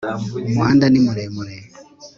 umuhanda ni muremure